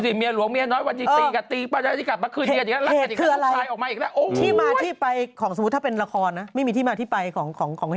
ดูสิเมียหลวงเมียน้อยวันที่สี่กาตีป้าตีกอง